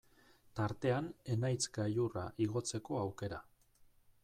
Tartean Enaitz gailurra igotzeko aukera.